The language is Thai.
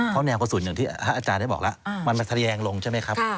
เพราะแนวกระสุนอย่างที่อาจารย์ได้บอกแล้วมันมาแสดงลงใช่ไหมครับ